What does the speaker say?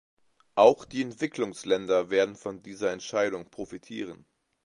Auch die Entwicklungsländer werden von dieser Entscheidung profitieren.